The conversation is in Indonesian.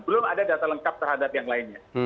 belum ada data lengkap terhadap yang lainnya